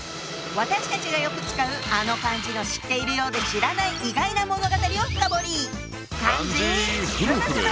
私たちがよく使うあの漢字の知ってるようで知らない意外な物語を深掘り！